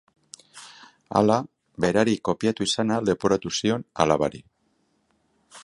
Hala, berari kopiatu izana leporatu zion alabari.